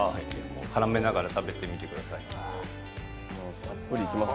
絡めながら食べてみてください。